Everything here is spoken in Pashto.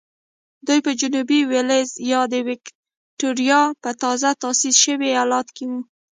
دوی په جنوبي وېلز یا د ویکټوریا په تازه تاسیس شوي ایالت کې وو.